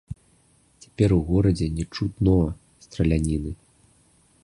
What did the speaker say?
Цяпер у горадзе не чутно страляніны.